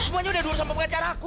semuanya udah dulu sama pengacara aku